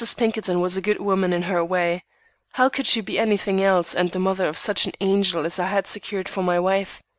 Pinkerton was a good woman in her way: how could she be anything else and the mother of such an angel as I had secured for my wife?